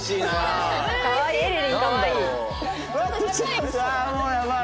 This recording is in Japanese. うわーもうやばい！